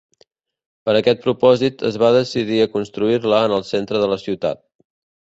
Per aquest propòsit, es va decidir a construir-la en el centre de la ciutat.